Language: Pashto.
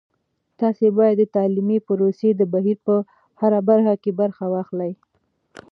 تاسې باید د تعلیمي پروسې د بهیر په هره برخه کې برخه واخلئ.